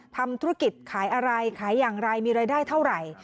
ทำธุรกิจขายอะไรขายอย่างไรมีรายได้เท่าไหร่